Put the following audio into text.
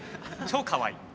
超かわいい。